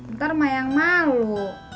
ntar rumah yang malu